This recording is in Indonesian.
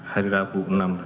hari rabu enam belas